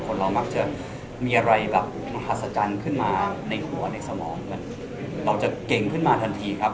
เรามักจะมีอะไรแบบมหัศจรรย์ขึ้นมาในหัวในสมองเราจะเก่งขึ้นมาทันทีครับ